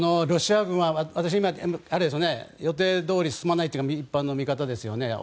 ロシア軍は今、予定どおり進まないというのが一般の見方ですよね。